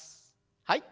はい。